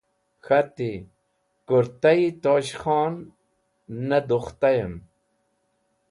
K̃hati: Kũrta-e Tosh Khon na dukhtayam